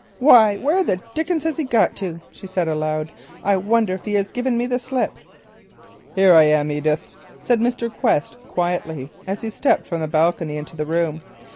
"Why, where the dickens has he got to?" she said aloud; "I wonder if he has given me the slip?" "Here I am, Edith," said Mr. Quest quietly, as he stepped from the balcony into the room.